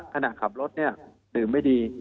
ขณะขับรถเนี่ยดื่มไม่ดี